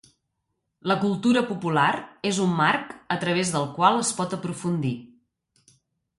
La cultura popular és un marc a través del qual es pot aprofundir.